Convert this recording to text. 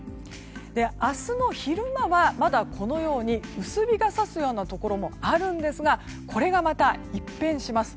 明日の昼間はまだ、薄日が差すようなところもあるんですがこれがまた一変します。